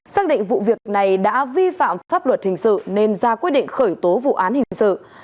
xác định vụ việc này đã vi phạm pháp luật hình sự nên ra quyết định khởi tố vụ án hình sự